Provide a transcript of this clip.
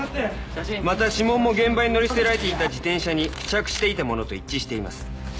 また指紋も現場に乗り捨てられていた自転車に付着していたものと一致しています